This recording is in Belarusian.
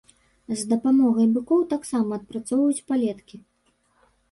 З дапамогай быкоў таксама апрацоўваюць палеткі.